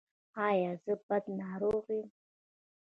ایا زه بد ناروغ یم؟